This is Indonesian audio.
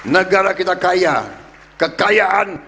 negara kita kaya kekayaan